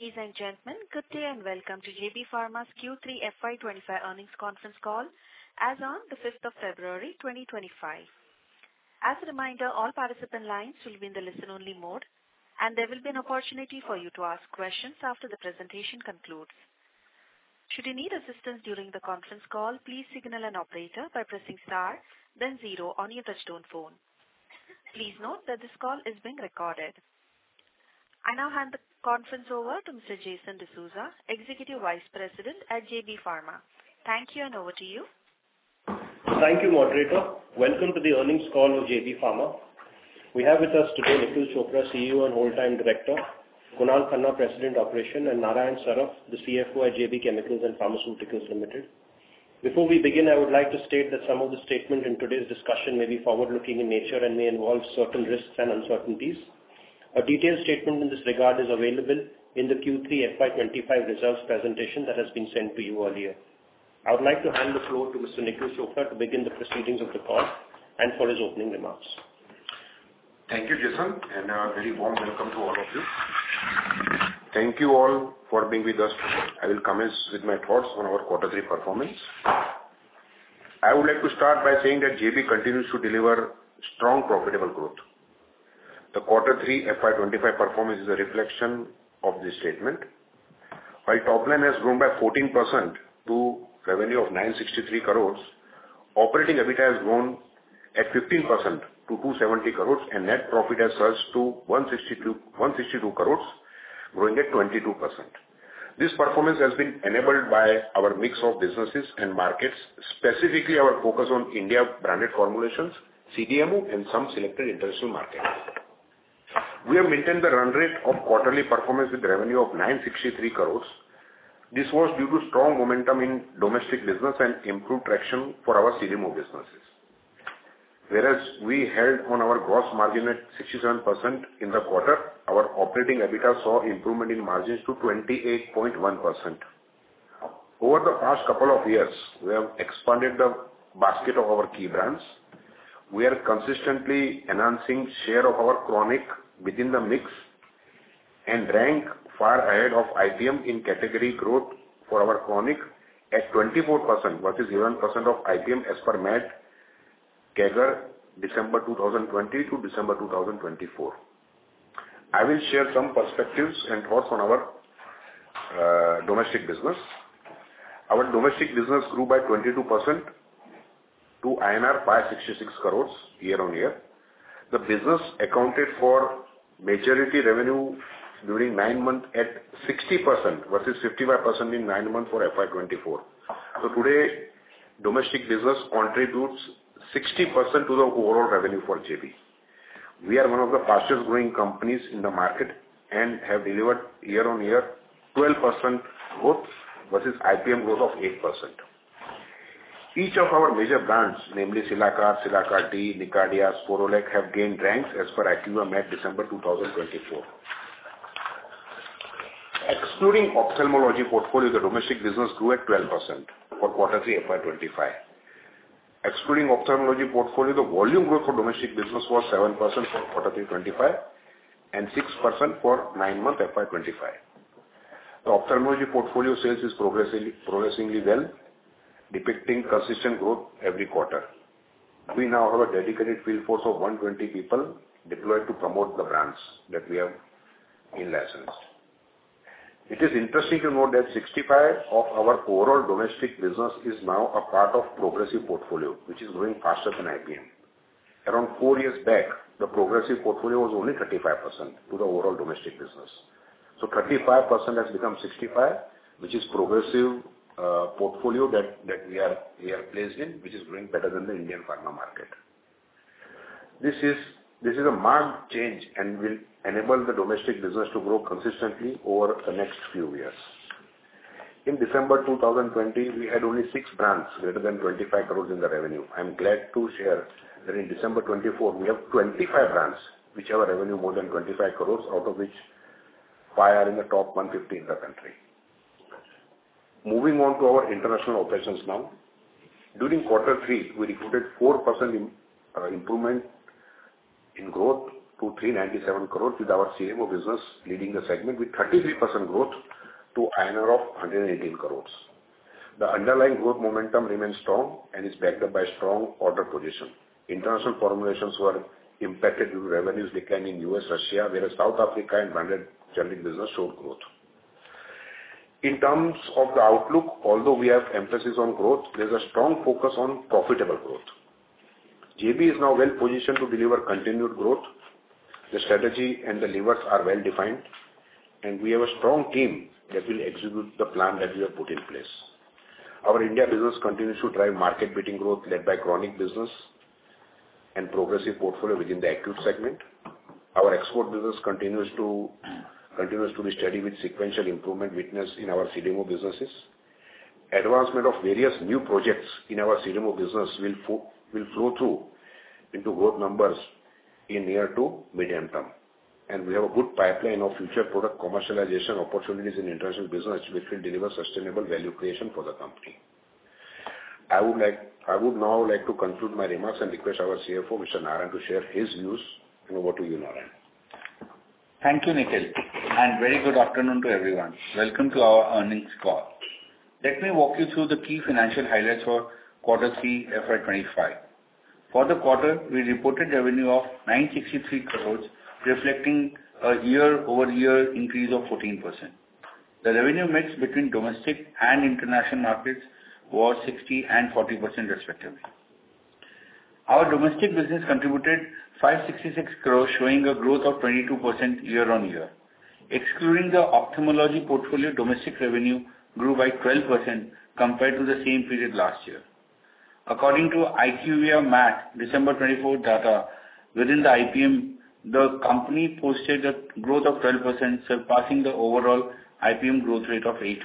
Ladies and gentlemen, good day and welcome to JB Pharma's Q3 FY 2025 Earnings Conference Call as of the 5th of February, 2025. As a reminder, all participant lines will be in the listen-only mode, and there will be an opportunity for you to ask questions after the presentation concludes. Should you need assistance during the conference call, please signal an operator by pressing star, then zero on your touch-tone phone. Please note that this call is being recorded. I now hand the conference over to Mr. Jason D'Souza, Executive Vice President at JB Pharma. Thank you, and over to you. Thank you, Moderator. Welcome to the Earnings Call of JB Pharma. We have with us today Nikhil Chopra, CEO and Whole Time Director, Kunal Khanna, President of Operations, and Narayan Saraf, the CFO at JB Chemicals & Pharmaceuticals Limited. Before we begin, I would like to state that some of the statements in today's discussion may be forward-looking in nature and may involve certain risks and uncertainties. A detailed statement in this regard is available in the Q3 FY 2025 Results Presentation that has been sent to you earlier. I would like to hand the floor to Mr. Nikhil Chopra to begin the proceedings of the call and for his opening remarks. Thank you, Jason, and a very warm welcome to all of you. Thank you all for being with us today. I will come in with my thoughts on our Q3 performance. I would like to start by saying that JB continues to deliver strong, profitable growth. The Q3 FY 2025 performance is a reflection of this statement. While top line has grown by 14% to a revenue of 963 crore, operating EBITDA has grown at 15% to 270 crore, and net profit has surged to 162 crore, growing at 22%. This performance has been enabled by our mix of businesses and markets, specifically our focus on India-branded formulations, CDMO, and some selected international markets. We have maintained the run rate of quarterly performance with a revenue of 963 crore. This was due to strong momentum in domestic business and improved traction for our CDMO businesses. Whereas we held on our gross margin at 67% in the quarter, our operating EBITDA saw improvement in margins to 28.1%. Over the past couple of years, we have expanded the basket of our key brands. We are consistently enhancing the share of our Chronic within the mix and rank far ahead of IPM in category growth for our Chronic at 24% versus 11% of IPM as per MAT CAGR December 2020 to December 2024. I will share some perspectives and thoughts on our domestic business. Our domestic business grew by 22% to INR 566 crore year-on-year. The business accounted for majority revenue during nine months at 60% versus 55% in nine months for FY 2024. So today, domestic business contributes 60% to the overall revenue for JB. We are one of the fastest-growing companies in the market and have delivered year-on-year 12% growth versus IPM growth of 8%. Each of our major brands, namely Cilacar, Cilacar T, Nicardia, Sporlac, have gained ranks as per IQVIA MAT December 2024. Excluding ophthalmology portfolio, the domestic business grew at 12% for Q3 FY 2025. Excluding ophthalmology portfolio, the volume growth for domestic business was 7% for Q3 FY 2025 and 6% for nine-month FY 2025. The ophthalmology portfolio sales is progressing well. Depicting consistent growth every quarter. We now have a dedicated field force of 120 people deployed to promote the brands that we have in-licensed. It is interesting to note that 65% of our overall domestic business is now a part of the progressive portfolio, which is growing faster than IPM. Around four years back, the progressive portfolio was only 35% of the overall domestic business. So 35% has become 65%, which is a progressive portfolio that we are placed in, which is growing better than the Indian pharma market. This is a marked change and will enable the domestic business to grow consistently over the next few years. In December 2020, we had only six brands greater than 25 crore in the revenue. I'm glad to share that in December 2024, we have 25 brands which have a revenue more than 25 crore, out of which five are in the top 150 in the country. Moving on to our international operations now. During Q3, we recorded a 4% improvement in growth to 397 crore with our CDMO business leading the segment with 33% growth to 118 crore INR. The underlying growth momentum remains strong and is backed up by a strong order position. International formulations were impacted due to revenues declining in the U.S., Russia, whereas South Africa and branded generics business showed growth. In terms of the outlook, although we have emphasis on growth, there's a strong focus on profitable growth. JB is now well-positioned to deliver continued growth. The strategy and the levers are well-defined, and we have a strong team that will execute the plan that we have put in place. Our India business continues to drive market-beating growth led by chronic business and progressive portfolio within the acute segment. Our export business continues to be steady with sequential improvement witnessed in our CDMO businesses. Advancement of various new projects in our CDMO business will flow through into growth numbers in near to medium term. We have a good pipeline of future product commercialization opportunities in international business, which will deliver sustainable value creation for the company. I would now like to conclude my remarks and request our CFO, Mr. Narayan, to share his views. Over to you, Narayan. Thank you, Nikhil. Very good afternoon to everyone. Welcome to our earnings call. Let me walk you through the key financial highlights for Q3 FY 2025. For the quarter, we reported revenue of 963 crore, reflecting a year-over-year increase of 14%. The revenue mix between domestic and international markets was 60% and 40% respectively. Our domestic business contributed 566 crore, showing a growth of 22% year-on-year. Excluding the ophthalmology portfolio, domestic revenue grew by 12% compared to the same period last year. According to IQVIA MAT, December 2024 data, within the IPM, the company posted a growth of 12%, surpassing the overall IPM growth rate of 8%.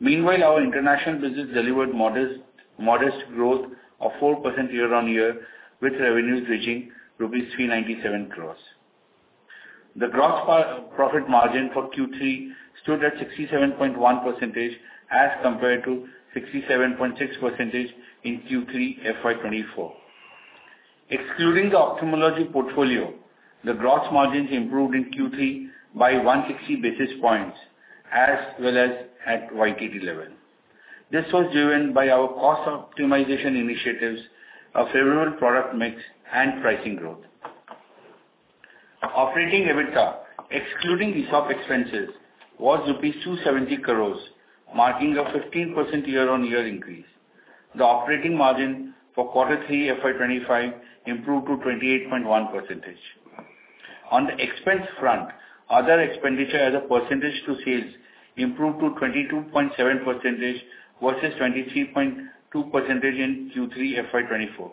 Meanwhile, our international business delivered modest growth of 4% year-on-year, with revenues reaching INR 397 crore. The gross profit margin for Q3 stood at 67.1% as compared to 67.6% in Q3 FY 2024. Excluding the ophthalmology portfolio, the gross margins improved in Q3 by 160 basis points as well as at YTD level. This was driven by our cost optimization initiatives, a favorable product mix, and pricing growth. Operating EBITDA, excluding ESOP expenses, was 270 crore rupees, marking a 15% year-on-year increase. The operating margin for Q3 FY 2025 improved to 28.1%. On the expense front, other expenditure as a percentage to sales improved to 22.7% versus 23.2% in Q3 FY 2024.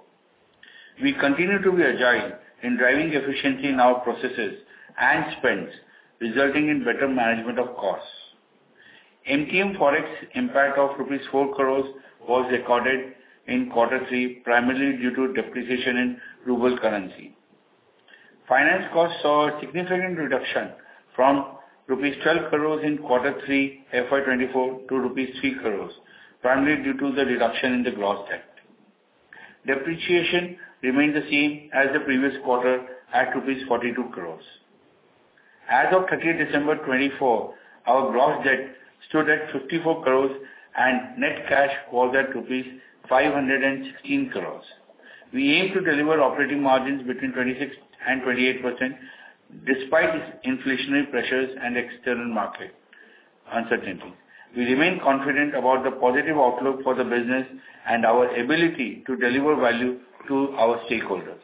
We continue to be agile in driving efficiency in our processes and spends, resulting in better management of costs. MTM Forex impact of 4 crore rupees was recorded in Q3, primarily due to depreciation in ruble currency. Finance costs saw a significant reduction from rupees 12 crore in Q3 FY 2024 to rupees 3 crore, primarily due to the reduction in the gross debt. Depreciation remained the same as the previous quarter at 42 crore rupees. As of 30 December 2024, our gross debt stood at 54 crore, and net cash was at rupees 516 crore. We aim to deliver operating margins between 26% and 28% despite inflationary pressures and external market uncertainty. We remain confident about the positive outlook for the business and our ability to deliver value to our stakeholders.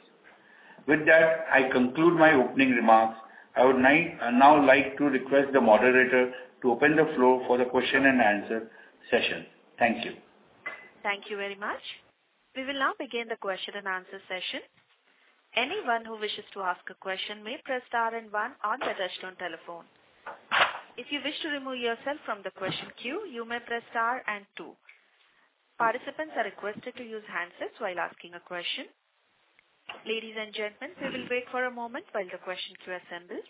With that, I conclude my opening remarks. I would now like to request the moderator to open the floor for the question and answer session. Thank you. Thank you very much. We will now begin the question and answer session. Anyone who wishes to ask a question may press star and one on the touch-tone telephone. If you wish to remove yourself from the question queue, you may press star and two. Participants are requested to use handsets while asking a question. Ladies and gentlemen, we will wait for a moment while the question queue assembles.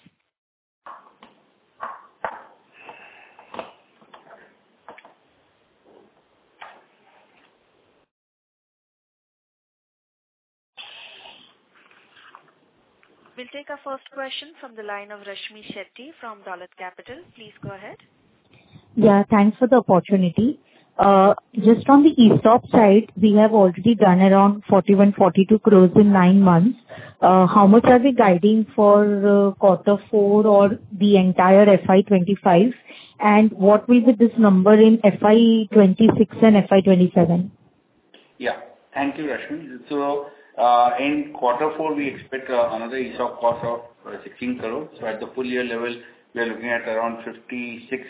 We'll take our first question from the line of Rashmi Shetty from Dolat Capital. Please go ahead. Yeah, thanks for the opportunity. Just on the ESOP side, we have already done around 41-42 crore in nine months. How much are we guiding for Q4 or the entire FY 2025, and what will be this number in FY26 and FY27? Yeah, thank you, Rashmi. So in Q4, we expect another ESOP cost of 16 crore. So at the full-year level, we are looking at around 56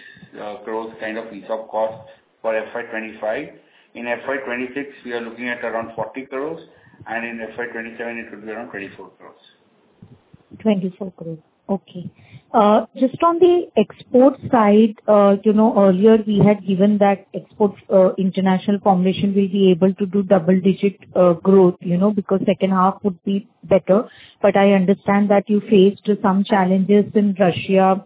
crore kind of ESOP cost for FY 2025. In FY26, we are looking at around 40 crore, and in FY27, it would be around 24 crore. 24 crore. Okay. Just on the export side, earlier we had given that export international formulation will be able to do double-digit growth because second half would be better. But I understand that you faced some challenges in Russia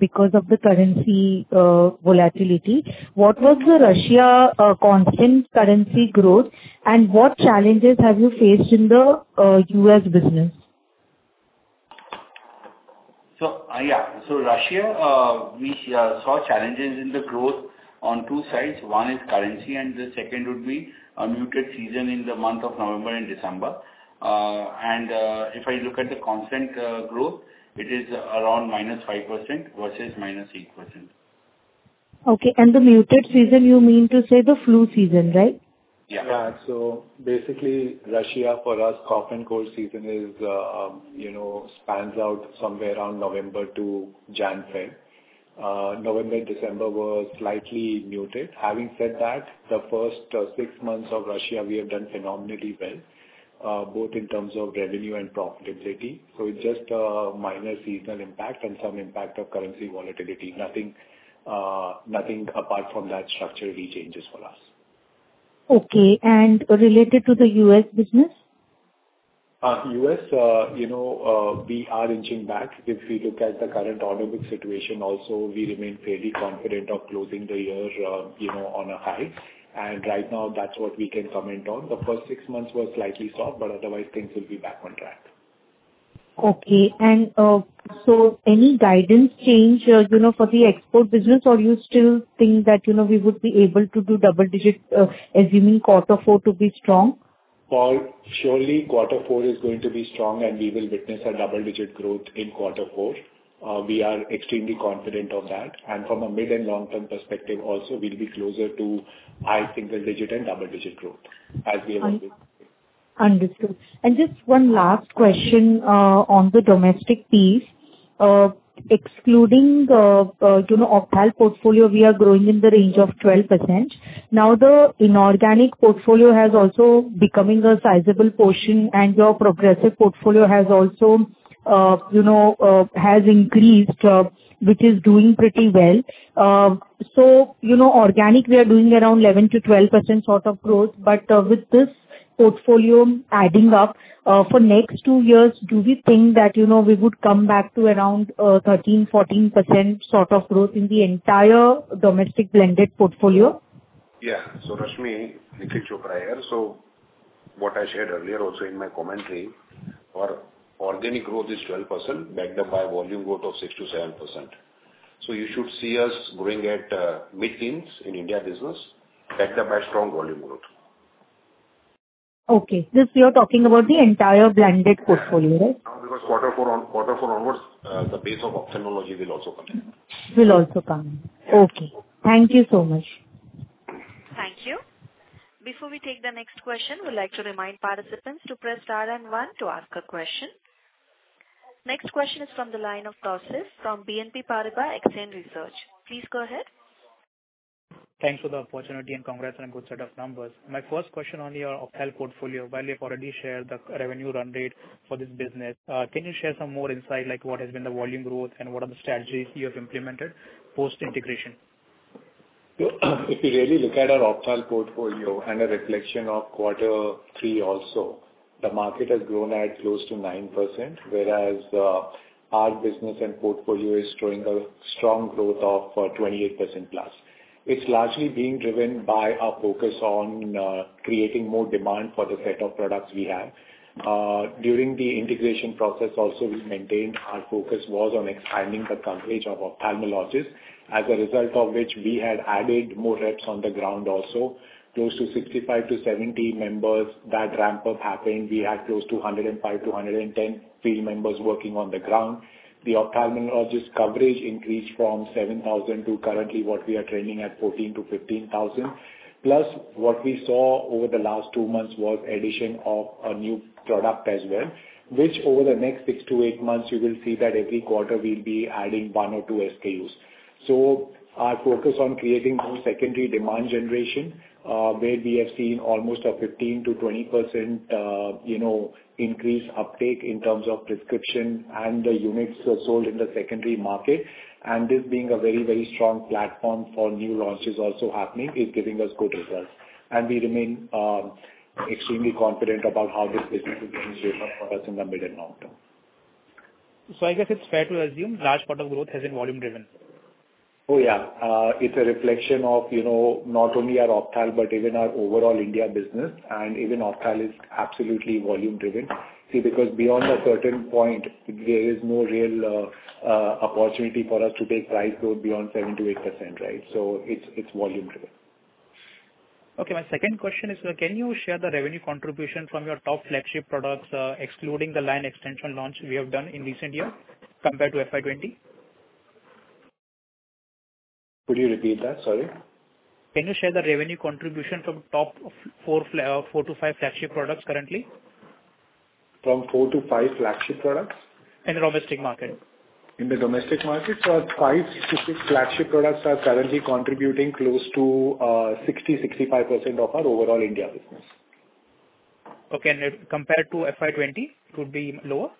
because of the currency volatility. What was the Russia constant currency growth, and what challenges have you faced in the U.S. business? So yeah, so Russia, we saw challenges in the growth on two sides. One is currency, and the second would be a muted season in the month of November and December. And if I look at the constant growth, it is around minus 5% versus minus 8%. Okay. And the monsoon season, you mean to say the flu season, right? Yeah. So basically, Russia for us, cough and cold season spans out somewhere around November to January-February. November and December were slightly muted. Having said that, the first six months of Russia, we have done phenomenally well, both in terms of revenue and profitability. So it's just minor seasonal impact and some impact of currency volatility. Nothing apart from that structurally changes for us. Okay, and related to the U.S. business? U.S., we are inching back. If we look at the current economic situation also, we remain fairly confident of closing the year on a high. And right now, that's what we can comment on. The first six months were slightly soft, but otherwise, things will be back on track. Okay. And so any guidance change for the export business, or you still think that we would be able to do double-digit, assuming Q4 to be strong? Surely, Q4 is going to be strong, and we will witness a double-digit growth in Q4. We are extremely confident of that. From a mid and long-term perspective, also, we'll be closer to high single-digit and double-digit growth as we are moving. Understood. And just one last question on the domestic piece. Excluding the ophthalmology portfolio, we are growing in the range of 12%. Now, the inorganic portfolio has also become a sizable portion, and your progressive portfolio has also increased, which is doing pretty well. So organic, we are doing around 11% to 12% sort of growth. But with this portfolio adding up for next two years, do we think that we would come back to around 13%-14% sort of growth in the entire domestic blended portfolio? Yeah. So, Rashmi, Nikhil Chopra here. So what I shared earlier also in my commentary, our organic growth is 12% backed up by volume growth of 6%-7%. So you should see us growing at mid-teens in India business backed up by strong volume growth. Okay. Just you're talking about the entire blended portfolio, right? No, because Q4 onwards, the base of ophthalmology will also come. Will also come. Okay. Thank you so much. Thank you. Before we take the next question, we'd like to remind participants to press star and one to ask a question. Next question is from the line of Tausif from BNP Paribas Exane Research. Please go ahead. Thanks for the opportunity and congrats on a good set of numbers. My first question on your ophthalmology portfolio, while you've already shared the revenue run rate for this business, can you share some more insight like what has been the volume growth and what are the strategies you have implemented post-integration? If you really look at our ophthalmology portfolio and a reflection of Q3 also, the market has grown at close to 9%, whereas our business and portfolio is showing a strong growth of 28% plus. It's largely being driven by our focus on creating more demand for the set of products we have. During the integration process also, we maintained our focus was on expanding the coverage of ophthalmologists, as a result of which we had added more reps on the ground also, close to 65-70 members that ramp-up happened. We had close to 105-110 field members working on the ground. The ophthalmologist coverage increased from 7,000 to currently what we are aiming at 14,000-15,000. Plus, what we saw over the last two months was addition of a new product as well, which over the next six to eight months, you will see that every quarter we'll be adding one or two SKUs, so our focus on creating more secondary demand generation, where we have seen almost a 15%-20% increase uptake in terms of prescription and the units sold in the secondary market, and this being a very, very strong platform for new launches also happening is giving us good results, and we remain extremely confident about how this business is going to shape up for us in the mid and long term. So I guess it's fair to assume large part of growth has been volume-driven. Oh, yeah. It's a reflection of not only our ophthalmology, but even our overall India business, and even ophthalmology is absolutely volume-driven. See, because beyond a certain point, there is no real opportunity for us to take price growth beyond 7%-8%, right, so it's volume-driven. Okay. My second question is, can you share the revenue contribution from your top flagship products, excluding the line extension launch we have done in recent years, compared to FY20? Could you repeat that? Sorry. Can you share the revenue contribution from top four to five flagship products currently? From four to five flagship products? In the domestic market. In the domestic market, five to six flagship products are currently contributing close to 60%-65% of our overall India business. Okay, and compared to FY 2020, could be lower?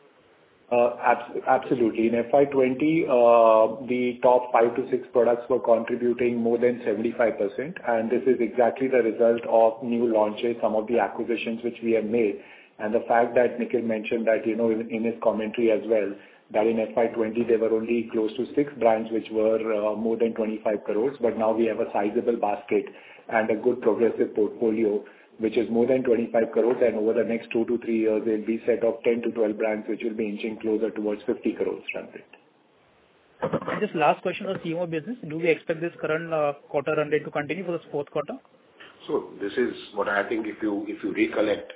Absolutely. In FY20, the top five to six products were contributing more than 75%. And this is exactly the result of new launches, some of the acquisitions which we have made. And the fact that Nikhil mentioned that in his commentary as well, that in FY20, there were only close to six brands which were more than 25 crore, but now we have a sizable basket and a good progressive portfolio, which is more than 25 crore. And over the next two to three years, there will be a set of 10 to 12 brands which will be inching closer towards 50 crore rounded. Just last question on CDMO business. Do we expect this current quarter run rate to continue for the Q4? This is what I think if you recollect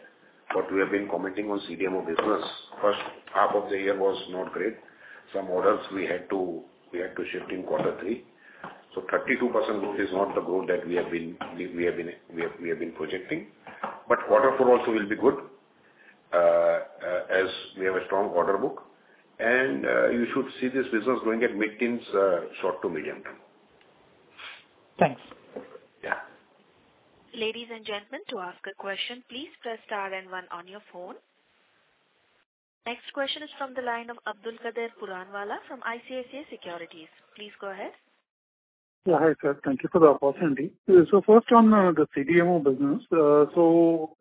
what we have been commenting on CDMO business. First half of the year was not great. Some orders we had to shift in Q3. 32% growth is not the growth that we have been projecting. But Q4 also will be good as we have a strong order book. And you should see this business going at mid-teens short to medium term. Thanks. Yeah. Ladies and gentlemen, to ask a question, please press star and one on your phone. Next question is from the line of Abdulkader Puranwala from ICICI Securities. Please go ahead. Yeah, hi sir. Thank you for the opportunity. So first on the CDMO business, so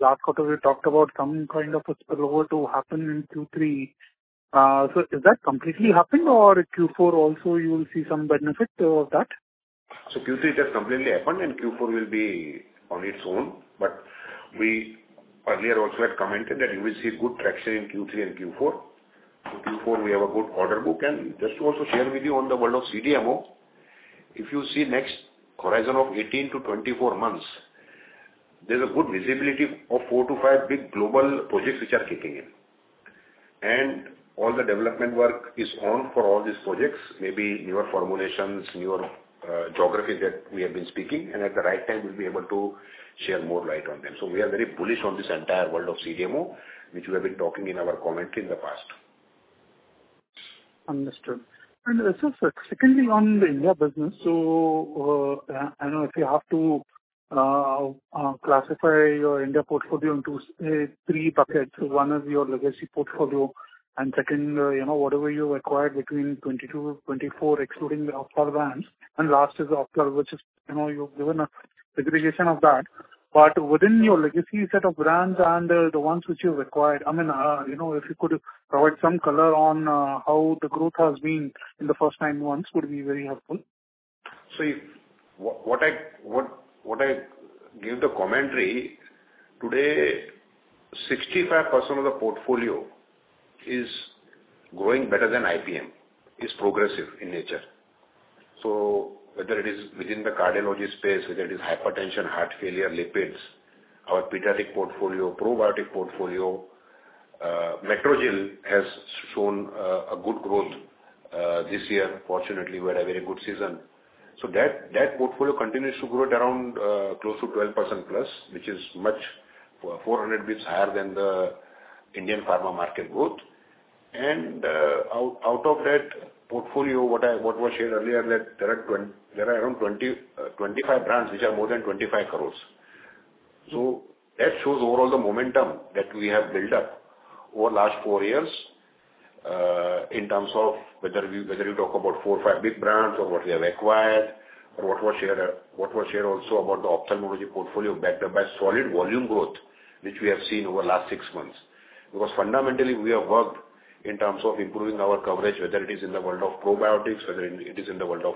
last quarter we talked about some kind of spillover to happen in Q3. So has that completely happened, or in Q4 also, you will see some benefit of that? So Q3 just completely happened, and Q4 will be on its own. But we earlier also had commented that you will see good traction in Q3 and Q4. So Q4, we have a good order book. And just to also share with you on the world of CDMO, if you see next horizon of 18-24 months, there's a good visibility of four-five big global projects which are kicking in. And all the development work is on for all these projects, maybe newer formulations, newer geographies that we have been speaking. And at the right time, we'll be able to share more light on them. So we are very bullish on this entire world of CDMO, which we have been talking in our commentary in the past. Understood. And just secondly on the India business, so I don't know if you have to classify your India portfolio into three buckets. One is your legacy portfolio, and second, whatever you've acquired between 2022 to 2024, excluding the ophthalmology brands. And last is ophthalmology, which is you've given a segregation of that. But within your legacy set of brands and the ones which you've acquired, I mean, if you could provide some color on how the growth has been in the first nine months would be very helpful. So what I give the commentary, today, 65% of the portfolio is growing better than IPM, is progressive in nature. So whether it is within the cardiology space, whether it is hypertension, heart failure, lipids, our pediatric portfolio, probiotic portfolio, Metrogyl has shown a good growth this year. Fortunately, we had a very good season. So that portfolio continues to grow at around close to 12% plus, which is much 400 basis points higher than the Indian pharma market growth. And out of that portfolio, what was shared earlier, that there are around 25 brands which are more than 25 crore. So that shows overall the momentum that we have built up over the last four years in terms of whether you talk about four or five big brands or what we have acquired, or what was shared also about the ophthalmology portfolio backed up by solid volume growth, which we have seen over the last six months. Because fundamentally, we have worked in terms of improving our coverage, whether it is in the world of probiotics, whether it is in the world of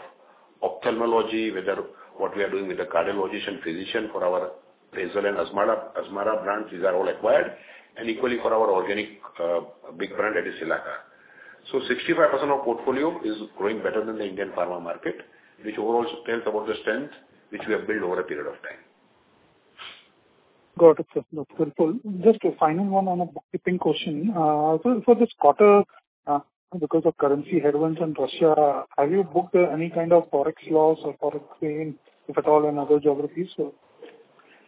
ophthalmology, whether what we are doing with the cardiologist and physician for our Razel and Azmarda brands, which are all acquired, and equally for our organic big brand that is Cilacar. So 65% of portfolio is growing better than the Indian pharma market, which overall tells about the strength which we have built over a period of time. Got it. That's helpful. Just a final one on a back-to-back question. So for this quarter, because of currency headwinds in Russia, have you booked any kind of forex loss or forex gain if at all in other geographies?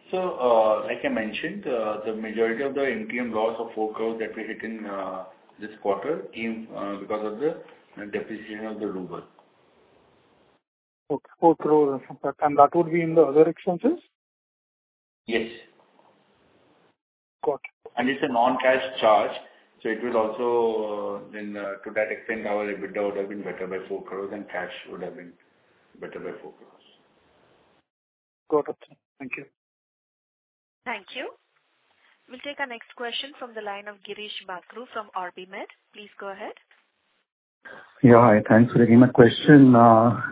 So like I mentioned, the majority of the MTM loss of 4 crore that we hit in this quarter came because of the depreciation of the ruble. Okay. 4 crore. And that would be in the other expenses? Yes. Got it. And it's a non-cash charge, so it will also to that extent, our EBITDA would have been better by 4 crore and cash would have been better by 4 crore. Got it. Thank you. Thank you. We'll take our next question from the line of Girish Bakhru from OrbiMed. Please go ahead. Yeah. Hi. Thanks for taking my question.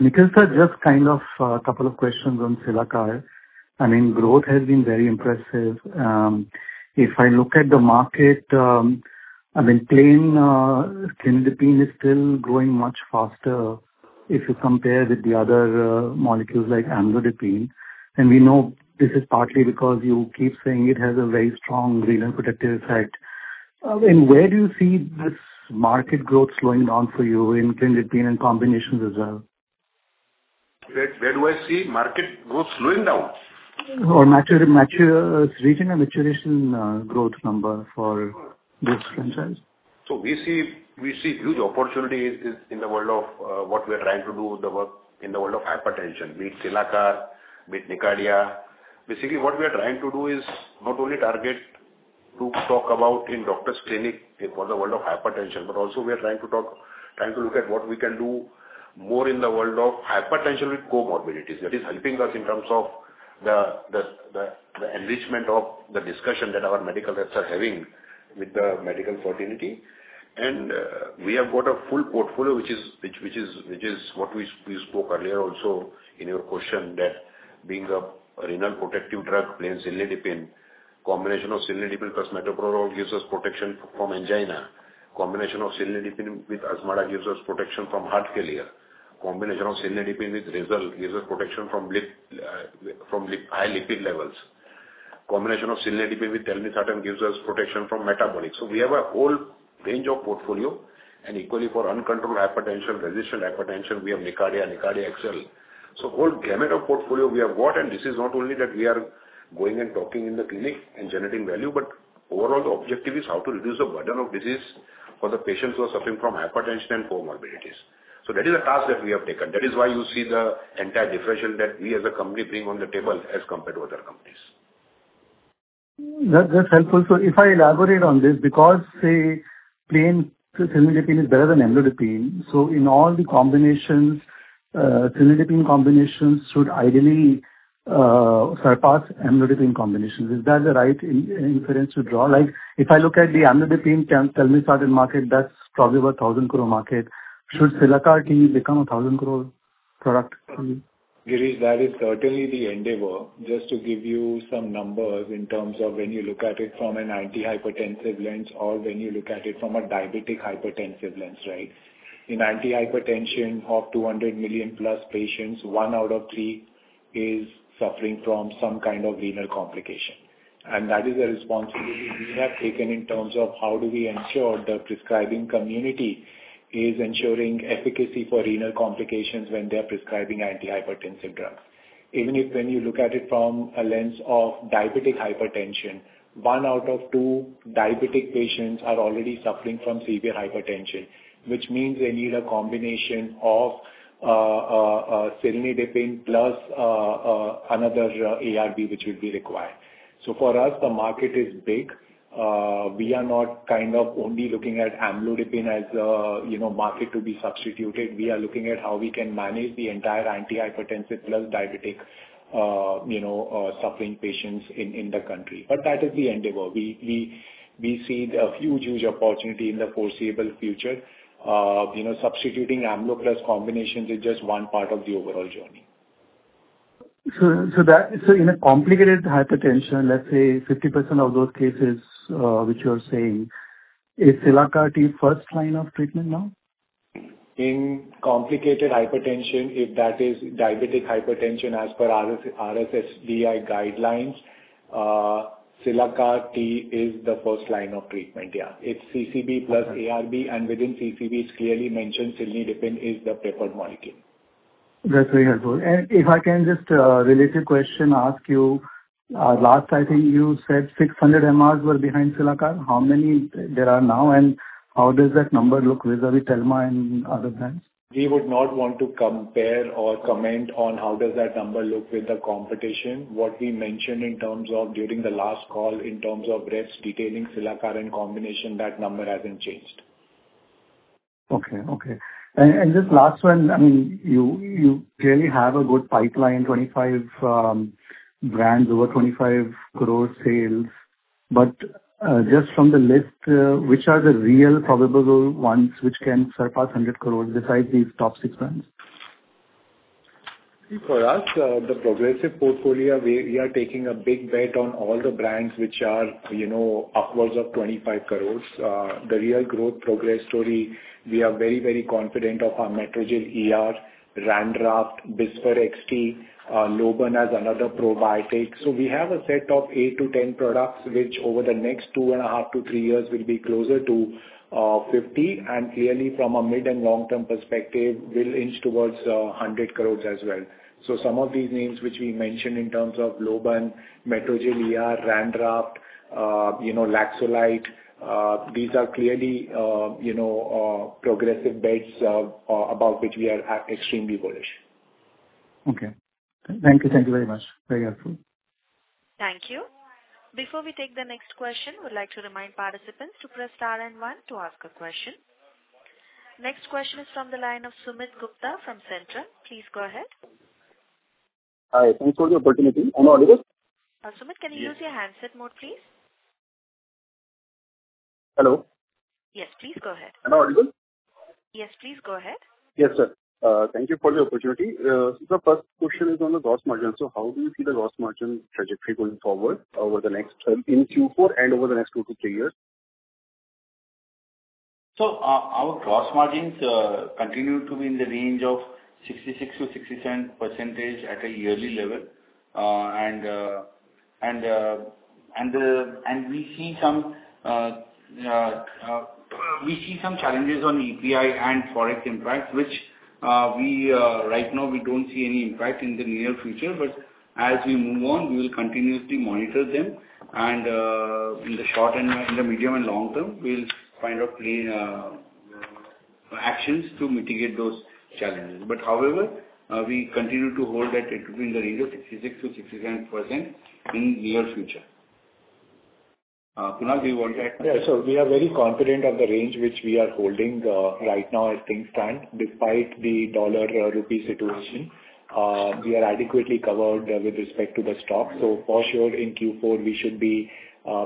Nikhil sir, just kind of a couple of questions on Cilacar. I mean, growth has been very impressive. If I look at the market, I mean, plain cilnidipine is still growing much faster if you compare with the other molecules like amlodipine. And we know this is partly because you keep saying it has a very strong renal protective effect. And where do you see this market growth slowing down for you in cilnidipine and combinations as well? Where do I see market growth slowing down? Or maturation and maturation growth number for this franchise? We see huge opportunity in the world of what we are trying to do with the work in the world of hypertension. Meet Cilacar, meet Nicardia. Basically, what we are trying to do is not only target to talk about in doctors' clinic for the world of hypertension, but also we are trying to look at what we can do more in the world of hypertension with comorbidities that is helping us in terms of the enrichment of the discussion that our medical reps are having with the medical fraternity. We have got a full portfolio, which is what we spoke earlier also in your question that being a renal protective drug, plain cilnidipine, combination of cilnidipine plus metoprolol gives us protection from angina. Combination of cilnidipine with Azmarda gives us protection from heart failure. Combination of cilnidipine with Razel gives us protection from high lipid levels. Combination of Cilnidipine with Telmisartan gives us protection from metabolic. So we have a whole range of portfolio. And equally, for uncontrolled hypertension, resistant hypertension, we have Nicardia, Nicardia XL. So all gamut of portfolio we have got. And this is not only that we are going and talking in the clinic and generating value, but overall the objective is how to reduce the burden of disease for the patients who are suffering from hypertension and comorbidities. So that is a task that we have taken. That is why you see the entire differential that we as a company bring on the table as compared to other companies. That's helpful. So if I elaborate on this, because say plain cilnidipine is better than amlodipine, so in all the combinations, cilnidipine combinations should ideally surpass amlodipine combinations. Is that the right inference to draw? If I look at the amlodipine telmisartan market, that's probably about 1,000 crore market. Should Cilacar T become a 1,000 crore product? Girish, that is certainly the endeavor, just to give you some numbers in terms of when you look at it from an antihypertensive lens or when you look at it from a diabetic hypertensive lens, right? In hypertension of 200 million plus patients, one out of three is suffering from some kind of renal complication. And that is a responsibility we have taken in terms of how do we ensure the prescribing community is ensuring efficacy for renal complications when they are prescribing antihypertensive drugs. Even if when you look at it from a lens of diabetic hypertension, one out of two diabetic patients are already suffering from severe hypertension, which means they need a combination of cilnidipine plus another ARB which will be required. So for us, the market is big. We are not kind of only looking at amlodipine as a market to be substituted. We are looking at how we can manage the entire antihypertensive plus diabetic suffering patients in the country. But that is the endeavor. We see a huge, huge opportunity in the foreseeable future. Substituting amlo plus combinations is just one part of the overall journey. So in a complicated hypertension, let's say 50% of those cases which you're saying, is Cilacar T first line of treatment now? In complicated hypertension, if that is diabetic hypertension as per RSSDI guidelines, Cilacar T is the first line of treatment, yeah. It's CCB plus ARB, and within CCB, it's clearly mentioned cilnidipine is the preferred molecule. That's very helpful. And if I can just ask a related question, last I think you said 600 MRs were behind Cilacar. How many are there now? And how does that number look vis-à-vis Telma and other brands? We would not want to compare or comment on how does that number look with the competition. What we mentioned in terms of during the last call in terms of reps detailing Cilacar and combination, that number hasn't changed. Okay. And just last one, I mean, you clearly have a good pipeline, 25 brands, over 25 crore sales. But just from the list, which are the real probable ones which can surpass 100 crore besides these top six brands? For us, the progressive portfolio, we are taking a big bet on all the brands which are upwards of 25 crore. The real growth progress story, we are very, very confident of our Metrogyl, Ranraft, Bizfer XT, Lobun as another probiotic. So we have a set of 8-10 products which over the next two and a half to three years will be closer to 50. And clearly, from a mid and long-term perspective, will inch towards 100 crore as well. So some of these names which we mentioned in terms of Lobun, Metrogyl, Ranraft, Laxolite, these are clearly progressive bets about which we are extremely bullish. Okay. Thank you. Thank you very much. Very helpful. Thank you. Before we take the next question, we'd like to remind participants to press star and one to ask a question. Next question is from the line of Sumit Gupta from Centrum. Please go ahead. Hi. Thanks for the opportunity. I'm audible? Sumit, can you use your headset mode, please? Hello? Yes, please go ahead. Am I audible? Yes, please go ahead. Yes, sir. Thank you for the opportunity. So the first question is on the gross margin. So how do you see the gross margin trajectory going forward over the next in Q4 and over the next two to three years? So our gross margins continue to be in the range of 66%-67% at a yearly level. And we see some challenges on EPI and forex impacts, which right now we don't see any impact in the near future. But as we move on, we will continuously monitor them. And in the short and in the medium and long term, we'll find out actions to mitigate those challenges. But however, we continue to hold that it will be in the range of 66%-67% in the near future. Kunal, do you want to add something? Yeah. So we are very confident of the range which we are holding right now as things stand, despite the dollar rupee situation. We are adequately covered with respect to the stock. So for sure, in Q4, we should be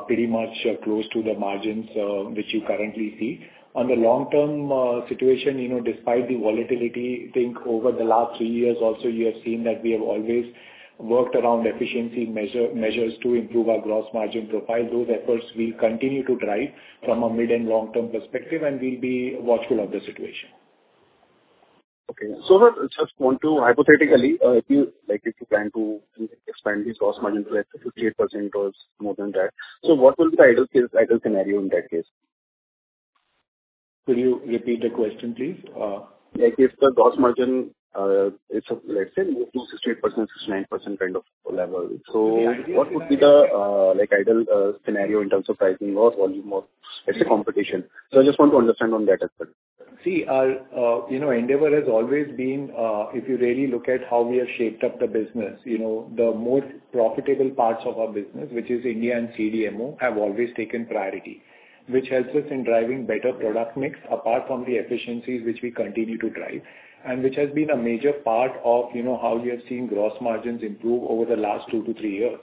pretty much close to the margins which you currently see. On the long-term situation, despite the volatility, I think over the last three years, also you have seen that we have always worked around efficiency measures to improve our gross margin profile. Those efforts will continue to drive from a mid and long-term perspective, and we'll be watchful of the situation. Okay. So just wanted to hypothetically, if you plan to expand this gross margin to 58% or more than that, so what will be the ideal scenario in that case? Could you repeat the question, please? If the gross margin is, let's say, move to 68%, 69% kind of level, so what would be the ideal scenario in terms of pricing or volume or, let's say, competition? So I just want to understand on that as well. See, our endeavor has always been, if you really look at how we have shaped up the business, the more profitable parts of our business, which is India and CDMO, have always taken priority, which helps us in driving better product mix apart from the efficiencies which we continue to drive, and which has been a major part of how we have seen gross margins improve over the last two to three years.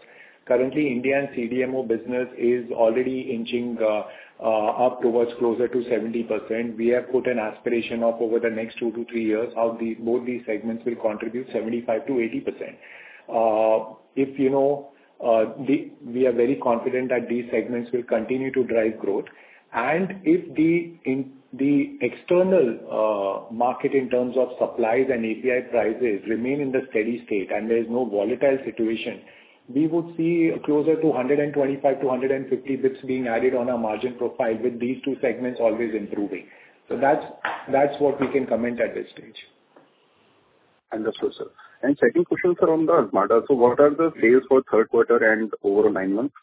Currently, India and CDMO business is already inching up towards closer to 70%. We have put an aspiration up over the next two to three years how both these segments will contribute 75%-80%. If we are very confident that these segments will continue to drive growth, and if the external market in terms of supplies and API prices remain in the steady state and there is no volatile situation, we would see closer to 125-150 basis points being added on our margin profile with these two segments always improving. So that's what we can comment at this stage. Understood, sir. And second question, sir, on the Azmarda. So what are the sales for Q3 and over nine months?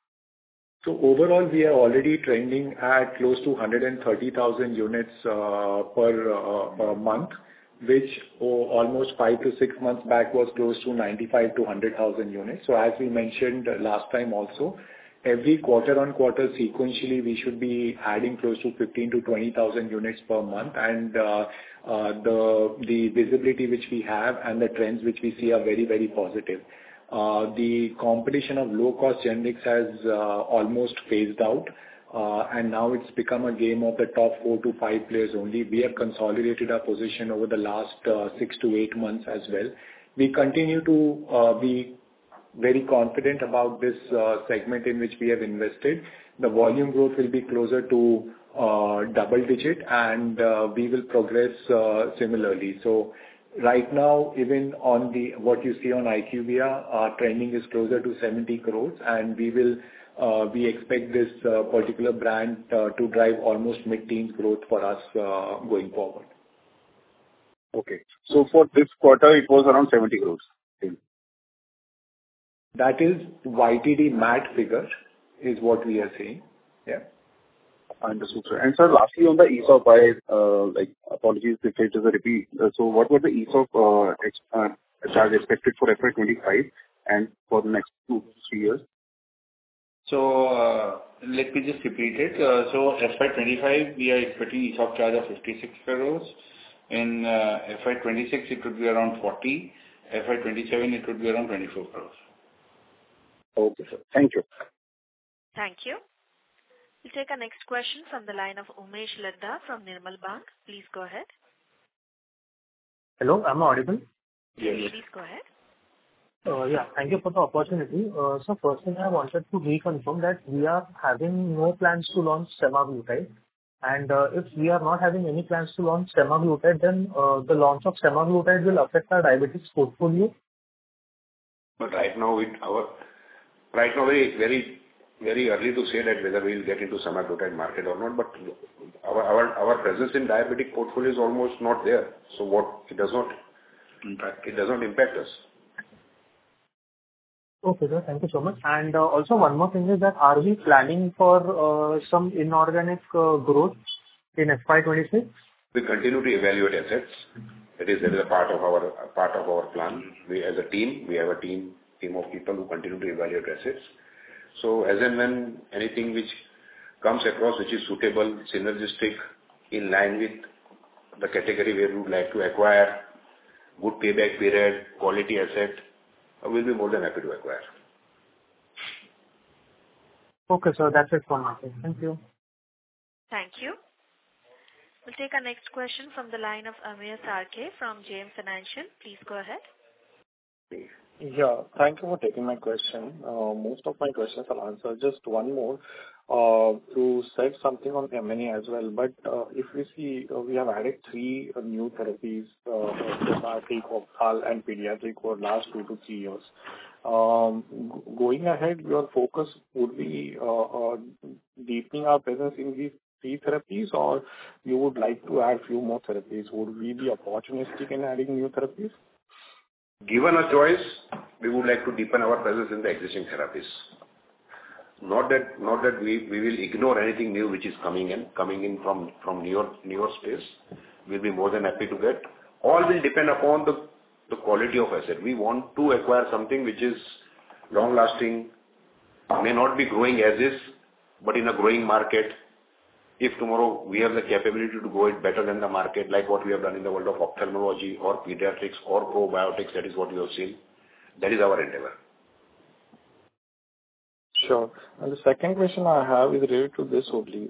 So overall, we are already trending at close to 130,000 units per month, which almost five to six months back was close to 95 to 100,000 units. So as we mentioned last time also, every quarter on quarter sequentially, we should be adding close to 15 to 20,000 units per month. And the visibility which we have and the trends which we see are very, very positive. The competition of low-cost generics has almost phased out, and now it's become a game of the top four to five players only. We have consolidated our position over the last six to eight months as well. We continue to be very confident about this segment in which we have invested. The volume growth will be closer to double digit, and we will progress similarly. Right now, even on what you see on IQVIA, our trending is closer to 70 crore, and we expect this particular brand to drive almost mid-teens growth for us going forward. Okay, so for this quarter, it was around 70 crore? That is YTD MAT figure is what we are seeing. Yeah. Understood, sir. And sir, lastly, on the ESOP wise, apologies if it is a repeat, so what were the ESOP charges expected for FY 2025 and for the next two to three years? Let me just repeat it. FY 2025, we are expecting ESOP charge of 56 crore. In FY26, it would be around 40. FY27, it would be around 24 crore. Okay, sir. Thank you. Thank you. We'll take a next question from the line of Umesh Ladda from Nirmal Bang. Please go ahead. Hello. I'm audible? Yes. Yes, please go ahead. Yeah. Thank you for the opportunity. So first thing, I wanted to reconfirm that we are having no plans to launch semaglutide. And if we are not having any plans to launch semaglutide, then the launch of semaglutide will affect our diabetes portfolio? But right now, it's very early to say that whether we'll get into semaglutide market or not. But our presence in diabetic portfolio is almost not there. So it does not impact us. Okay, sir. Thank you so much. And also, one more thing is that are we planning for some inorganic growth in FY26? We continue to evaluate assets. That is a part of our plan. As a team, we have a team of people who continue to evaluate assets. So as and when anything which comes across which is suitable, synergistic, in line with the category where we would like to acquire, good payback period, quality asset, we'll be more than happy to acquire. Okay, sir. That's it for now, sir. Thank you. Thank you. We'll take the next question from the line of Amey Chalke from JM Financial. Please go ahead. Yeah. Thank you for taking my question. Most of my questions are answered. Just one more to say something on M&E as well. But if we see, we have added three new therapies: Cilacar T, COPD, Ophthal, and pediatric over the last two to three years. Going ahead, your focus would be deepening our presence in these three therapies, or you would like to add a few more therapies? Would we be opportunistic in adding new therapies? Given our choice, we would like to deepen our presence in the existing therapies. Not that we will ignore anything new which is coming in from newer space. We'll be more than happy to get. All will depend upon the quality of asset. We want to acquire something which is long-lasting. May not be growing as is, but in a growing market, if tomorrow we have the capability to grow it better than the market, like what we have done in the world of ophthalmology or pediatrics or probiotics, that is what we have seen, that is our endeavor. Sure. And the second question I have is related to this only.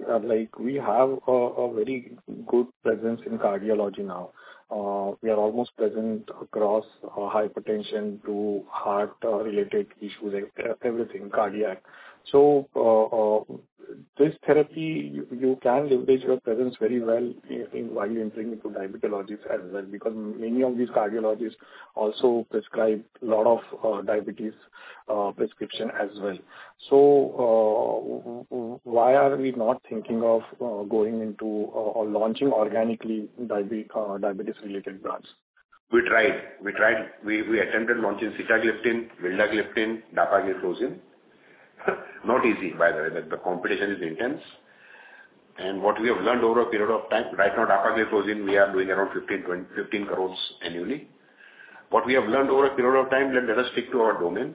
We have a very good presence in cardiology now. We are almost present across hypertension to heart-related issues, everything, cardiac. So this therapy, you can leverage your presence very well while you're entering into diabetologist as well because many of these cardiologists also prescribe a lot of diabetes prescriptions as well. So why are we not thinking of going into or launching organically diabetes-related brands? We tried. We tried. We attempted launching sitagliptin, vildagliptin, dapagliflozin. Not easy, by the way. The competition is intense. And what we have learned over a period of time, right now, dapagliflozin, we are doing around 15 crore annually. What we have learned over a period of time, let us stick to our domain,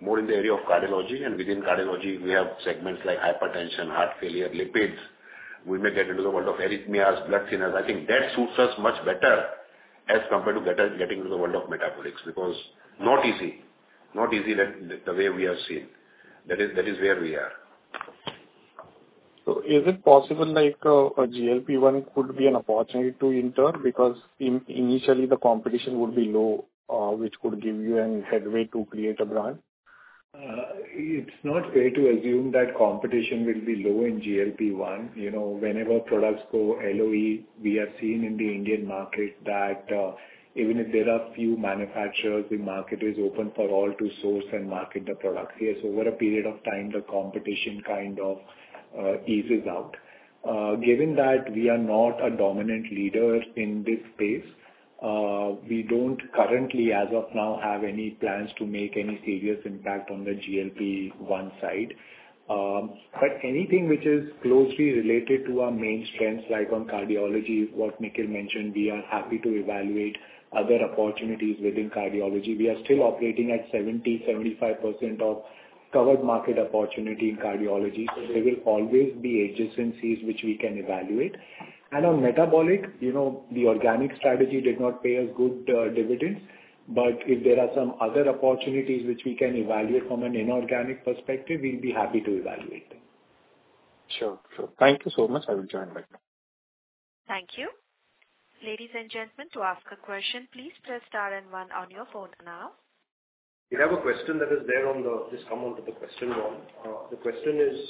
more in the area of cardiology. And within cardiology, we have segments like hypertension, heart failure, lipids. We may get into the world of arrhythmias, blood thinners. I think that suits us much better as compared to getting into the world of metabolics because not easy. Not easy the way we have seen. That is where we are. So is it possible a GLP-1 could be an opportunity to enter because initially the competition would be low, which could give you a headway to create a brand? It's not fair to assume that competition will be low in GLP-1. Whenever products go LOE, we have seen in the Indian market that even if there are few manufacturers, the market is open for all to source and market the products. Yes, over a period of time, the competition kind of eases out. Given that we are not a dominant leader in this space, we don't currently, as of now, have any plans to make any serious impact on the GLP-1 side. But anything which is closely related to our main strengths, like on cardiology, what Nikhil mentioned, we are happy to evaluate other opportunities within cardiology. We are still operating at 70%-75% of covered market opportunity in cardiology. So there will always be adjacencies which we can evaluate. And on metabolic, the organic strategy did not pay us good dividends. But if there are some other opportunities which we can evaluate from an inorganic perspective, we'll be happy to evaluate them. Sure. Sure. Thank you so much. I will join back. Thank you. Ladies and gentlemen, to ask a question, please press star and one on your phone now. We have a question that is there on this comment to the question one. The question is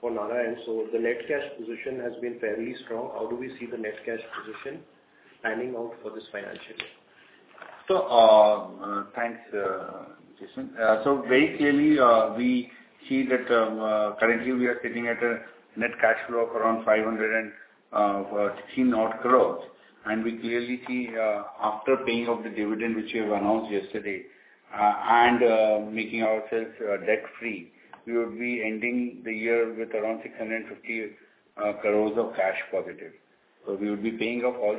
for Narayan and so the net cash position has been fairly strong. How do we see the net cash position panning out for this financial year? So thanks, Jason. So very clearly, we see that currently we are sitting at a net cash flow of around 516-odd crore. And we clearly see after paying off the dividend which we have announced yesterday and making ourselves debt-free, we would be ending the year with around 650 crore of cash positive. So we would be paying off all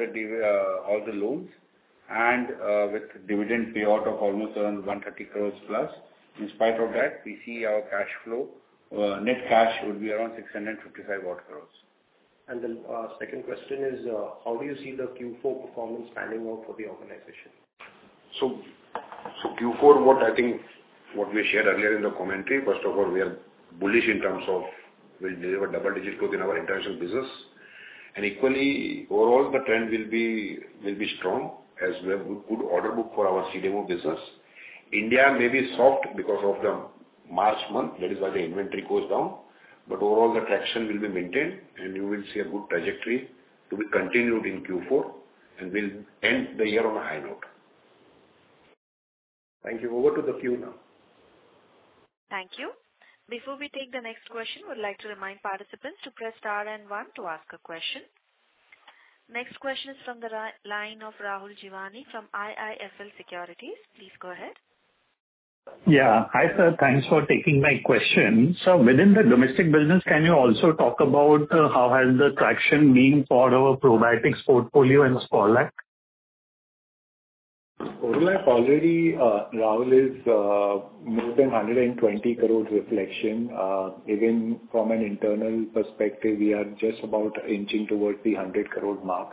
the loans and with dividend payout of almost around 130 crore plus. In spite of that, we see our cash flow, net cash, would be around 655-odd crore. Second question is, how do you see the Q4 performance panning out for the organization? So, Q4, I think what we shared earlier in the commentary. First of all, we are bullish in terms of we'll deliver double-digit growth in our international business. And equally, overall, the trend will be strong as we have good order book for our CDMO business. India may be soft because of the March month. That is why the inventory goes down. But overall, the traction will be maintained, and you will see a good trajectory to be continued in Q4, and we'll end the year on a high note. Thank you. Over to the queue now. Thank you. Before we take the next question, we'd like to remind participants to press star and one to ask a question. Next question is from the line of Rahul Jeewani from IIFL Securities. Please go ahead. Yeah. Hi, sir. Thanks for taking my question, so within the domestic business, can you also talk about how has the traction been for our probiotics portfolio and Sporlac? Sporlac already, Rahul, is more than 120 crore reflection. Even from an internal perspective, we are just about inching towards the 100 crore mark.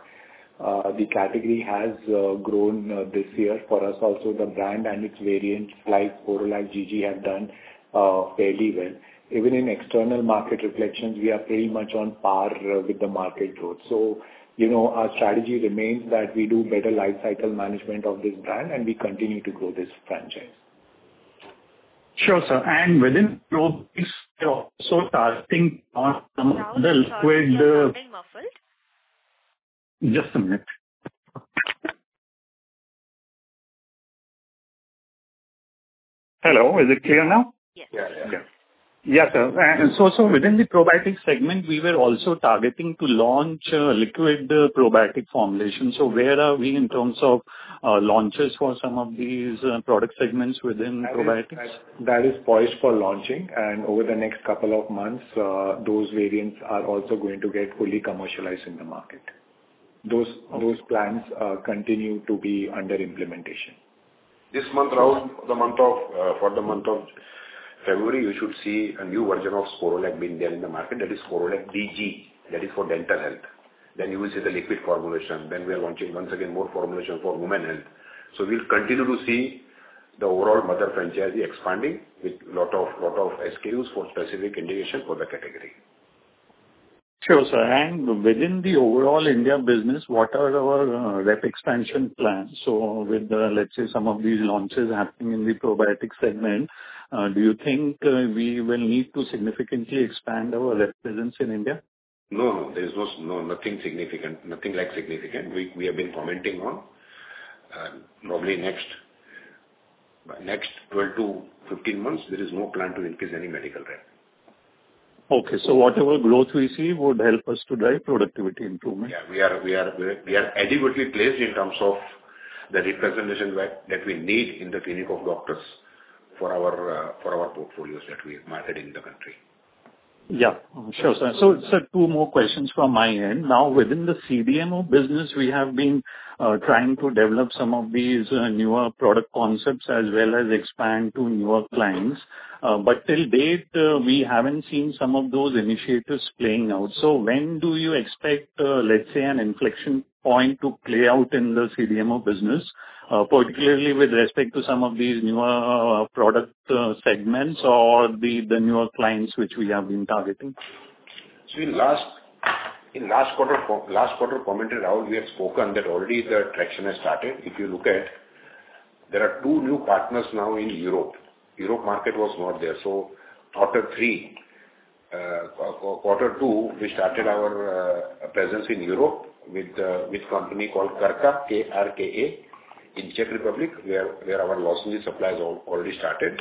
The category has grown this year for us also. The brand and its variants like Sporlac GG have done fairly well. Even in external market reflections, we are pretty much on par with the market growth. So our strategy remains that we do better life cycle management of this brand, and we continue to grow this franchise. Sure, sir. And within the global space, so far, I think the liquid. Sorry, sir. Are you hearing muffled? Just a minute. Hello. Is it clear now? Yes. Yeah, yeah, yeah. Yeah, sir. And so, within the probiotic segment, we were also targeting to launch liquid probiotic formulation. So, where are we in terms of launches for some of these product segments within probiotics? That is poised for launching. And over the next couple of months, those variants are also going to get fully commercialized in the market. Those plans continue to be under implementation. This month, Rahul, for the month of February, you should see a new version of Sporlac being there in the market. That is Sporlac-DG. That is for dental health. Then you will see the liquid formulation. Then we are launching once again more formulation for women's health. So we'll continue to see the overall mother franchise expanding with a lot of SKUs for specific indication for the category. Sure, sir. And within the overall India business, what are our rep expansion plans? So with, let's say, some of these launches happening in the probiotic segment, do you think we will need to significantly expand our rep presence in India? No, no. There is nothing significant. Nothing like significant. We have been commenting on probably next 12-15 months, there is no plan to increase any medical rep. Okay. So whatever growth we see would help us to drive productivity improvement. Yeah. We are adequately placed in terms of the representation that we need in the clinic of doctors for our portfolios that we have marketed in the country. Yeah. Sure, sir. So, sir, two more questions from my end. Now, within the CDMO business, we have been trying to develop some of these newer product concepts as well as expand to newer clients. But to date, we haven't seen some of those initiatives playing out. So when do you expect, let's say, an inflection point to play out in the CDMO business, particularly with respect to some of these newer product segments or the newer clients which we have been targeting? See, last quarter commentary, Rahul, we have spoken that already the traction has started. If you look at, there are two new partners now in Europe. Europe market was not there. So Q3, Q2, we started our presence in Europe with a company called KrKA, K-R-K-A, in Czech Republic, where our lozenge supply has already started.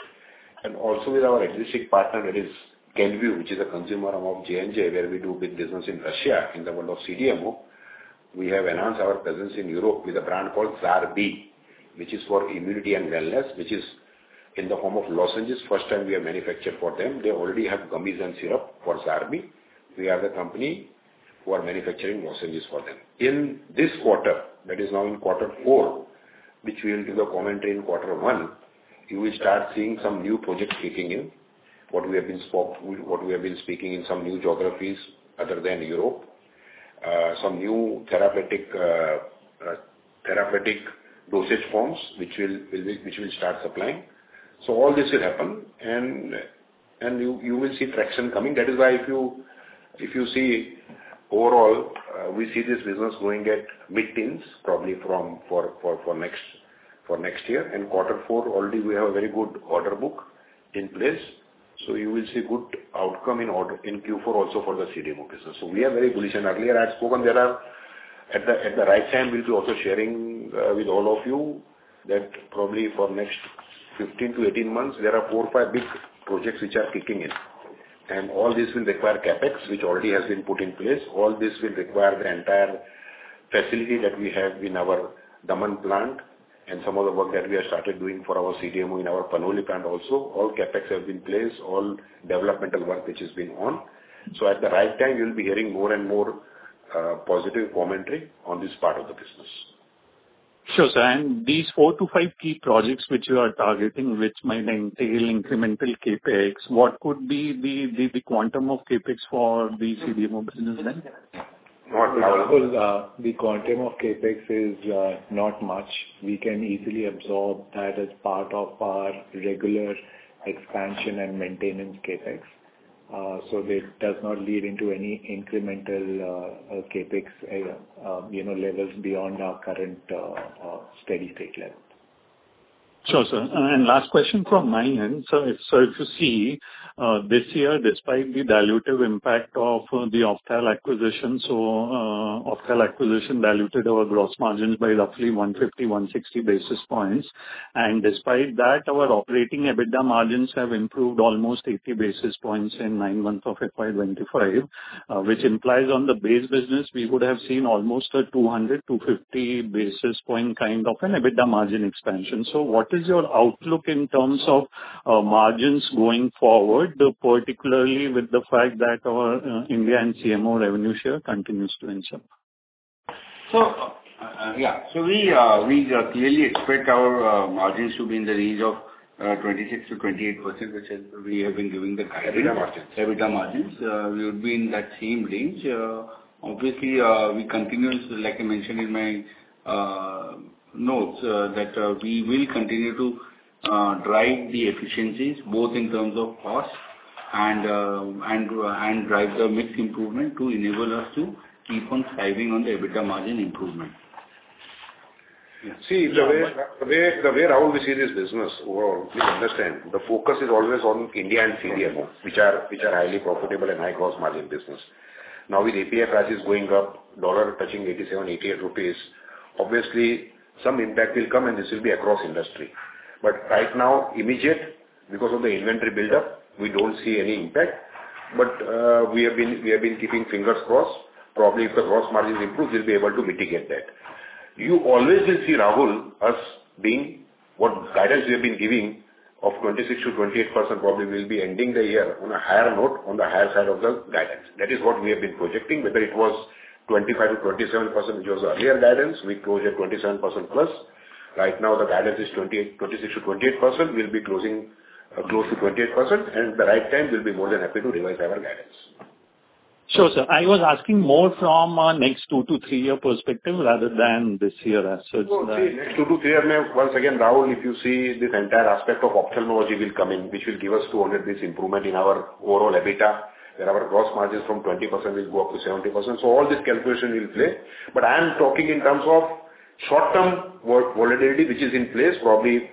And also with our existing partner, that is Kenvue, which is a consumer of J&J, where we do business in Russia in the world of CDMO. We have announced our presence in Europe with a brand called Zarbee's, which is for immunity and wellness, which is in the form of lozenges. First time we have manufactured for them. They already have gummies and syrup for Zarbee's. We are the company who are manufacturing lozenges for them. In this quarter, that is now in Q4, which we will do the commentary in Q1, you will start seeing some new projects kicking in, what we have been speaking in some new geographies other than Europe, some new therapeutic dosage forms which we will start supplying. So all this will happen, and you will see traction coming. That is why if you see overall, we see this business going at mid-tens probably for next year, and Q4, already we have a very good order book in place. So you will see good outcome in Q4 also for the CDMO business. So we are very bullish. And earlier I had spoken there are at the right time, we'll be also sharing with all of you that probably for next 15 to 18 months, there are four or five big projects which are kicking in. All this will require CapEx, which already has been put in place. All this will require the entire facility that we have in our Daman plant and some of the work that we have started doing for our CDMO in our Panoli plant also. All CapEx have been placed, all developmental work which has been on. At the right time, you'll be hearing more and more positive commentary on this part of the business. Sure, sir. And these four to five key projects which you are targeting, which might entail incremental CapEx, what could be the quantum of CapEx for the CDMO business then? The quantum of CapEx is not much. We can easily absorb that as part of our regular expansion and maintenance CapEx. So it does not lead into any incremental CapEx levels beyond our current steady-state level. Sure, sir. And last question from my end. So if you see this year, despite the dilutive impact of the Ophthal acquisition, so Ophthal acquisition diluted our gross margins by roughly 150-160 basis points. And despite that, our operating EBITDA margins have improved almost 80 basis points in nine months of FY 2025, which implies on the base business, we would have seen almost a 200-250 basis point kind of an EBITDA margin expansion. So what is your outlook in terms of margins going forward, particularly with the fact that our India and CDMO revenue share continues to inch up? We clearly expect our margins to be in the range of 26%-28%, which we have been doing the calculation. EBITDA margins. We would be in that same range. Obviously, we continue, like I mentioned in my notes, that we will continue to drive the efficiencies both in terms of cost and drive the mixed improvement to enable us to keep on striving on the EBITDA margin improvement. See, the way Rahul we see this business overall, you understand, the focus is always on India and CDMO, which are highly profitable and high gross margin business. Now, with API prices going up, dollar touching 87-88 rupees, obviously, some impact will come, and this will be across industry. But right now, immediate, because of the inventory buildup, we don't see any impact. But we have been keeping fingers crossed. Probably if the gross margins improve, we'll be able to mitigate that. You always will see, Rahul, us being what guidance we have been giving of 26%-28% probably will be ending the year on a higher note, on the higher side of the guidance. That is what we have been projecting. Whether it was 25%-27%, which was earlier guidance, we closed at 27% plus. Right now, the guidance is 26%-28%. We'll be closing close to 28%. And at the right time, we'll be more than happy to revise our guidance. Sure, sir. I was asking more from a next two to three-year perspective rather than this year as such. See, next two to three years, once again, Rahul, if you see this entire aspect of ophthalmology will come in, which will give us 200 basis improvement in our overall EBITDA, where our gross margins from 20% will go up to 70%. So all this calculation will play. But I am talking in terms of short-term volatility, which is in place. Probably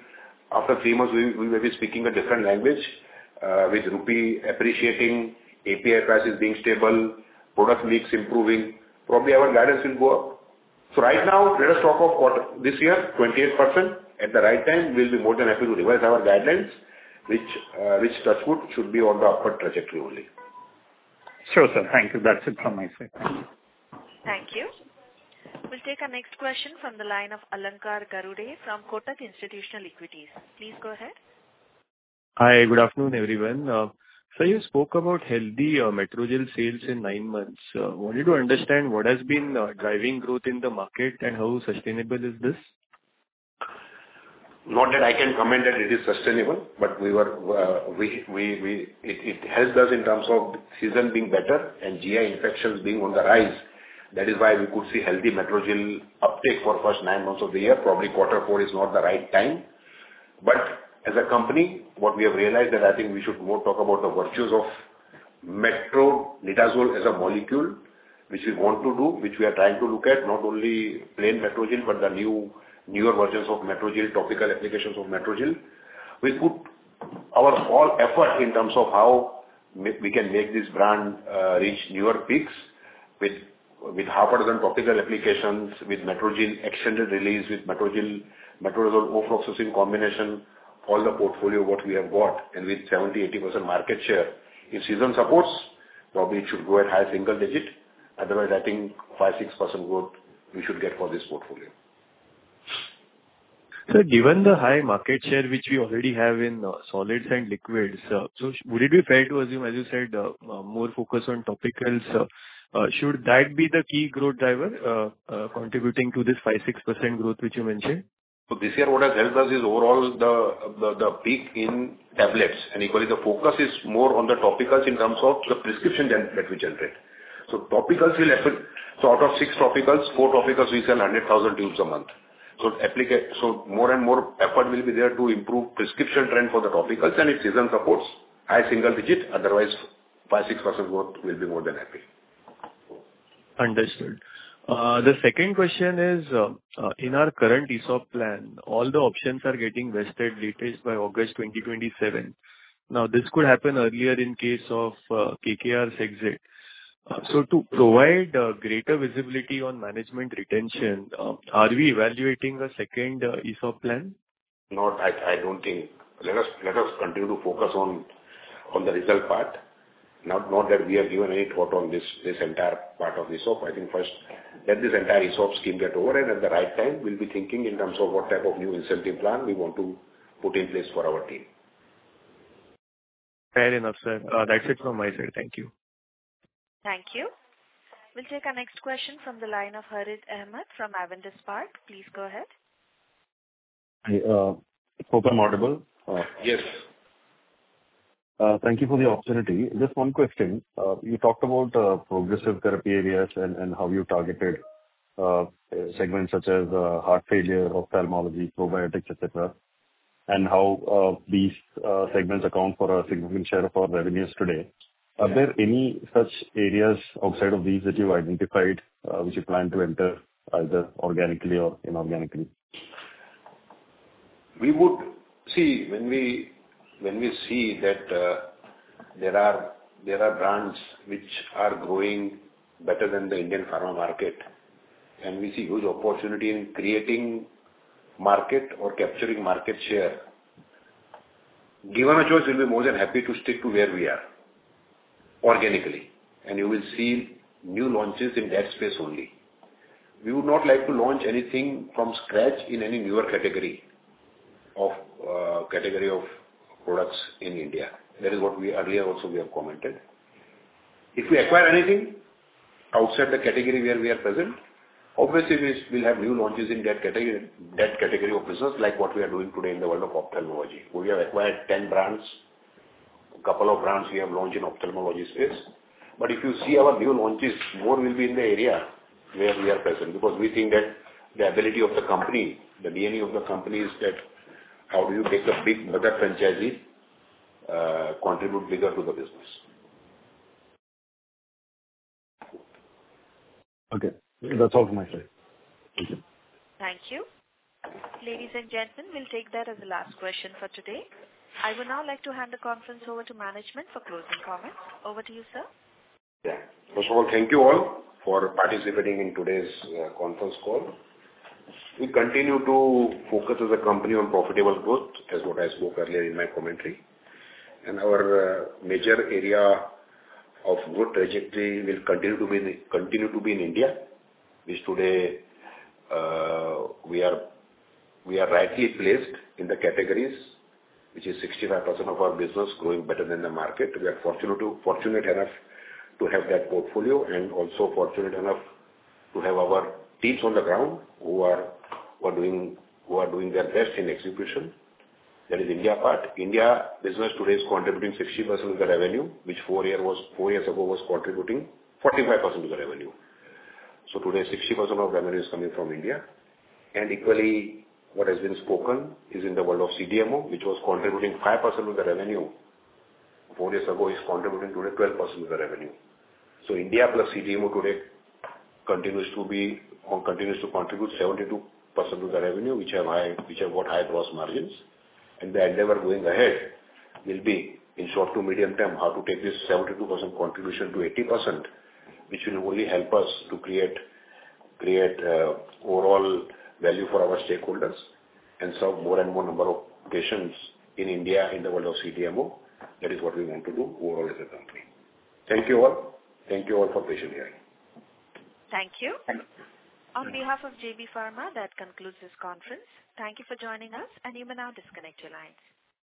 after three months, we will be speaking a different language, with rupee appreciating, API prices being stable, product mix improving. Probably our guidance will go up. So right now, let us talk of this year, 28%. At the right time, we'll be more than happy to revise our guidelines, which touch wood should be on the upward trajectory only. Sure, sir. Thank you. That's it from my side. Thank you. Thank you. We'll take our next question from the line of Alankar Garude from Kotak Institutional Equities. Please go ahead. Hi, good afternoon, everyone. So you spoke about healthy Metrogyl sales in nine months. Wanted to understand what has been driving growth in the market and how sustainable is this? Not that I can comment that it is sustainable, but it helps us in terms of season being better and GI infections being on the rise. That is why we could see healthy Metrogyl uptake for the first nine months of the year. Probably Q4 is not the right time, but as a company, what we have realized that I think we should more talk about the virtues of metronidazole as a molecule, which we want to do, which we are trying to look at, not only plain Metrogyl, but the newer versions of Metrogyl, topical applications of Metrogyl. We put our all effort in terms of how we can make this brand reach newer peaks with half a dozen topical applications, with Metrogyl Extended Release, with Metrogyl metronidazole ofloxacin combination, all the portfolio what we have got, and with 70%-80% market share. If season supports, probably it should go at high single digit. Otherwise, I think 5%-6% growth we should get for this portfolio. Sir, given the high market share which we already have in solids and liquids, so would it be fair to assume, as you said, more focus on topicals? Should that be the key growth driver contributing to this 5-6% growth which you mentioned? This year what has helped us is overall the peak in tablets. And equally, the focus is more on the topicals in terms of the prescription that we generate. So topicals will effort. So out of six topicals, four topicals we sell 100,000 tubes a month. So more and more effort will be there to improve prescription trend for the topicals and if season supports, high single digit, otherwise 5%-6% growth will be more than happy. Understood. The second question is, in our current ESOP plan, all the options are getting vested latest by August 2027. Now, this could happen earlier in case of KKR's exit. So to provide greater visibility on management retention, are we evaluating a second ESOP plan? No, I don't think. Let us continue to focus on the result part. Not that we have given any thought on this entire part of ESOP. I think first let this entire ESOP scheme get over, and at the right time, we'll be thinking in terms of what type of new incentive plan we want to put in place for our team. Fair enough, sir. That's it from my side. Thank you. Thank you. We'll take our next question from the line of Harith Ahamed from Avendus Spark. Please go ahead. Hope I'm audible. Yes. Thank you for the opportunity. Just one question. You talked about progressive therapy areas and how you targeted segments such as heart failure, ophthalmology, probiotics, etc., and how these segments account for a significant share of our revenues today. Are there any such areas outside of these that you've identified which you plan to enter either organically or inorganically? We would see when we see that there are brands which are growing better than the Indian pharma market, and we see good opportunity in creating market or capturing market share, given a choice, we'll be more than happy to stick to where we are organically. And you will see new launches in that space only. We would not like to launch anything from scratch in any newer category of products in India. That is what we earlier also have commented. If we acquire anything outside the category where we are present, obviously, we'll have new launches in that category of business like what we are doing today in the world of ophthalmology. We have acquired 10 brands, a couple of brands we have launched in ophthalmology space. But if you see our new launches, more will be in the area where we are present because we think that the ability of the company, the DNA of the company is that how do you make a big mega franchise contribute bigger to the business? Okay. That's all from my side. Thank you. Thank you. Ladies and gentlemen, we'll take that as the last question for today. I would now like to hand the conference over to management for closing comments. Over to you, sir. Yeah. First of all, thank you all for participating in today's conference call. We continue to focus as a company on profitable growth, as what I spoke earlier in my commentary. And our major area of good trajectory will continue to be in India, which today we are rightly placed in the categories, which is 65% of our business growing better than the market. We are fortunate enough to have that portfolio and also fortunate enough to have our teams on the ground who are doing their best in execution. That is India part. India business today is contributing 60% of the revenue, which four years ago was contributing 45% of the revenue. So today, 60% of revenue is coming from India. And equally, what has been spoken is in the world of CDMO, which was contributing 5% of the revenue four years ago, is contributing today 12% of the revenue. So India plus CDMO today continues to be or continues to contribute 72% of the revenue, which have got high gross margins. And the endeavor going ahead will be in short to medium term how to take this 72% contribution to 80%, which will only help us to create overall value for our stakeholders and serve more and more number of patients in India in the world of CDMO. That is what we want to do overall as a company. Thank you all. Thank you all for patiently hearing. Thank you. On behalf of JB Pharma, that concludes this conference. Thank you for joining us, and you may now disconnect your lines.